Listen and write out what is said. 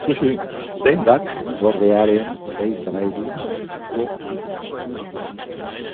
Dendak dorrearen sei solairu hartuko ditu.